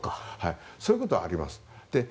そういうことはあります。